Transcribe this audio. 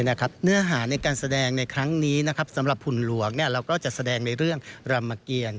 เนื้อหาในการแสดงในครั้งนี้สำหรับหุ่นหลวงเราก็จะแสดงในเรื่องรำเกียร